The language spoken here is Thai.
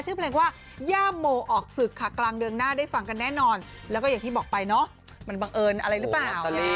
ชื่อเพลงว่าย่าโมออกศึกค่ะกลางเดือนหน้าได้ฟังกันแน่นอนแล้วก็อย่างที่บอกไปเนาะมันบังเอิญอะไรหรือเปล่า